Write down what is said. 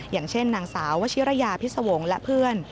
อย่างเช่นนางสาววชิรยาพิษวงศ์และเพื่อน